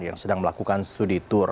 yang sedang melakukan studi tour